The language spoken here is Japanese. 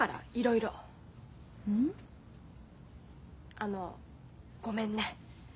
あのごめんね。